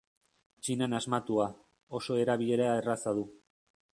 Txinan asmatua, oso erabilera erraza du.